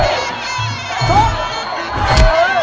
เอ้า